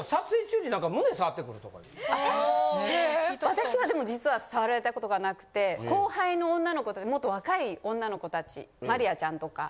私はでも実は触られたことがなくて後輩の女の子とかもっと若い女の子たち。